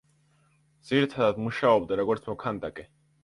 ძირითადად მუშაობდა როგორც მოქანდაკე.